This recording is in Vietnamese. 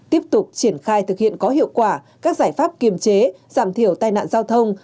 tiếp tục triển khai thực hiện có hiệu quả các giải pháp kiềm chế giảm thiểu tai nạn giao thông